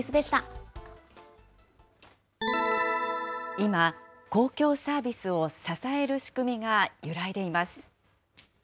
今、公共サービスを支える仕組みが揺らいでいます。